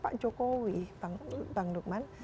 pak jokowi bang dukman